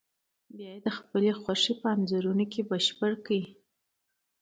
بیا یې د خپلې خوښې په انځورونو بشپړ کړئ.